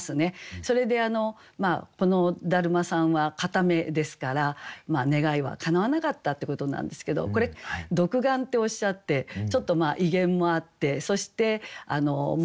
それでこの達磨さんは片目ですから願いはかなわなかったってことなんですけどこれ「独眼」っておっしゃってちょっと威厳もあってそしてもう新しい年迎えてるから